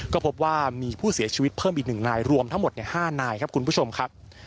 ก็พบว่ามีผู้เสียชีวิตเพิ่มอีก๑นายรวมทั้งหมด๕นายครับคุณผู้ชมครับ